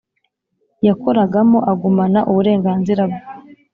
yakoragamo agumana uburenganzira bwe